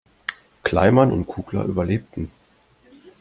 Kleiman und Kugler überlebten.